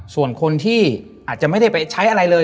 ส่วนคนที่อาจจะไม่ได้ไปใช้อะไรเลย